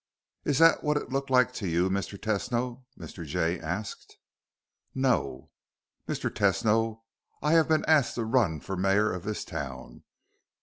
"Is that what it looked like to you, Mr. Tesno?" Mr. Jay asked. "No." "Mr. Tesno I have been asked to run for mayor of this town."